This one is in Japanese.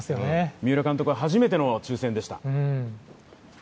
三浦監督は初めての抽選でした。